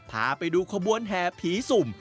พาไปดูขบวนแห่ผีสุ่ม